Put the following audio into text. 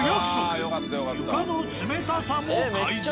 床の冷たさも改善。